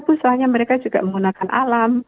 pusatnya mereka juga menggunakan alam